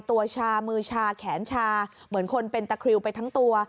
ตัวชามือชาแขนชาเหมือนคนเป็นตะคริวไปทั้งตัว